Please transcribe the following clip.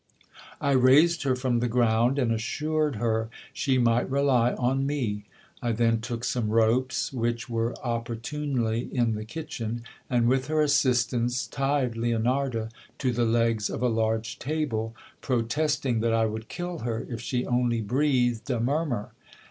I raised her from the ground, and assured her she might rely on me. I then took some ropes which were opportunely in the kitchen, and with her assistance tied Leonarda to the legs of a large table, protesting that I would kill her if she only breathed a murmur.